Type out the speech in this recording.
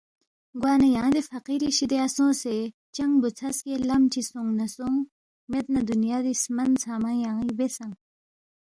گوانہ یانگ دے فقیری شِدیا سونگسے چنگ بُوژھا سکے لم چی سونگس نہ سونگ مید نہ دُنیادی سمن ژھنگمہ سہ یان٘ی بیاسنگ